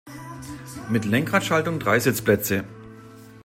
Mit Lenkradschaltung drei Sitzplätze.